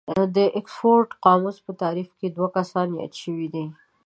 د اکسفورډ قاموس په تعريف کې دوه کسان ياد شوي دي.